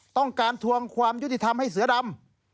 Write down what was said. ต้องการทวงความยุติธรรมให้เสือดำ